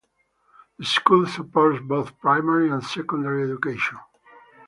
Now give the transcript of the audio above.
The school supports both primary and secondary education.